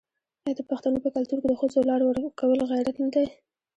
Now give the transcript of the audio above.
آیا د پښتنو په کلتور کې د ښځو لار ورکول غیرت نه دی؟